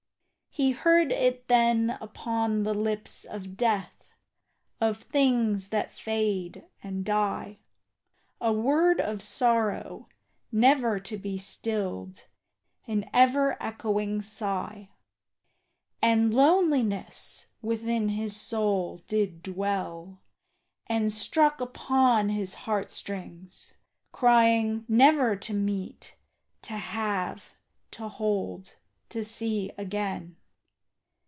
He heard it then upon the lips of death, Of things that fade and die; A word of sorrow never to be stilled, An ever echoing sigh. And loneliness within his soul did dwell, And struck upon his heart strings, crying "Never To meet, to have, to hold, to see again."